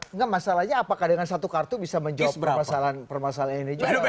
enggak masalahnya apakah dengan satu kartu bisa menjawab permasalahan ini juga